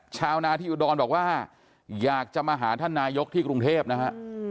ชาวนาที่อุดรบอกว่าอยากจะมาหาท่านนายกที่กรุงเทพนะฮะ